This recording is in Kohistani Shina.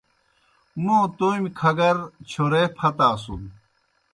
موں تومیْ کھگَر چھورے پھتاسُن۔